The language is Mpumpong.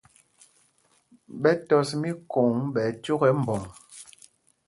Ɓɛ tɔs míkôŋ ɓɛ ɛcók ɛ mbɔŋ.